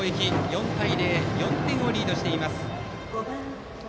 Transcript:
４対０と４点リードしています。